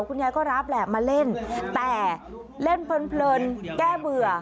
คุณยายก็รับแหละมาเล่นแต่เล่นเพลินแก้เบื่อ